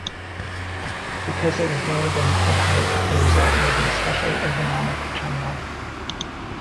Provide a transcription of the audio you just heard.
Because it was lower than head height, the result was an especially ergonomic terminal.